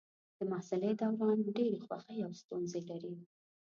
د محصلۍ دوران ډېرې خوښۍ او ستونزې لري.